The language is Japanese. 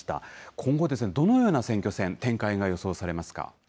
今後、どのような選挙戦、展開が予想されますか？